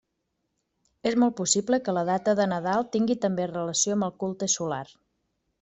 És molt possible que la data de Nadal tingui també relació amb el culte solar.